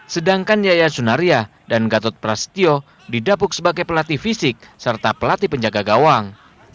sedangkan yaya sunaria dan gatot prasetyo didapuk sebagai pelatih fisik serta pelatih penjaga gawang